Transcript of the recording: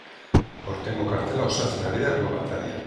Aurtengo kartela osatzen ari da web atarian.